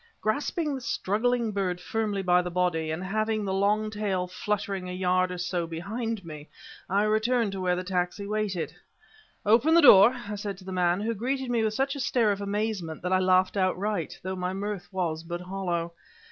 Grasping the struggling bird firmly by the body, and having the long white tail fluttering a yard or so behind me, I returned to where the taxi waited. "Open the door!" I said to the man who greeted me with such a stare of amazement that I laughed outright, though my mirth was but hollow.